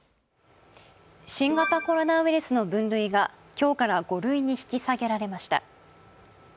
新型コロナウイルスの分類が今日から５類に引き下げられました。